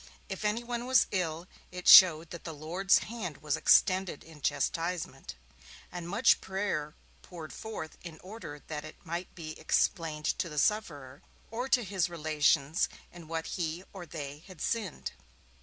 If anyone was ill, it showed that 'the Lord's hand was extended in chastisement', and much prayer was poured forth in order that it might be explained to the sufferer, or to his relations, in what he or they had sinned.